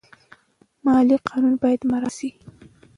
مالي قانون باید مراعات شي.